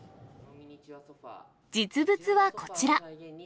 実物はこちら。